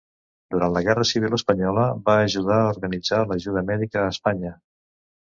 Durant la guerra civil espanyola, va ajudar a organitzar l'ajuda mèdica a Espanya.